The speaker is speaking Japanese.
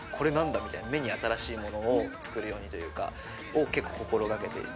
みたいな、目に新しいものを作るようにというかを、結構、心がけていて。